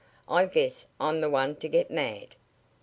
I guess I'm the one to get mad."